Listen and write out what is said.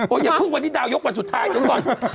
โอ้ยอย่าพึ่งวันนี้ดาวยกวันสุดท้ายดูก่อน